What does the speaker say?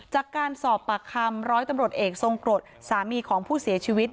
จากการสอบปากคำรักษ์